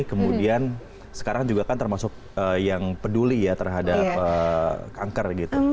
kemudian sekarang juga kan termasuk yang peduli ya terhadap kanker gitu